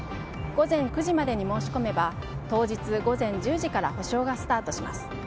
午前９時までに申し込めば当日午前１０時から保証がスタートします。